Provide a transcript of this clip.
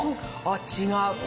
あっ違う。